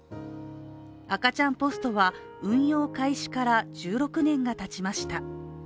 赤ちゃんポストは運用開始から１６年がたちました。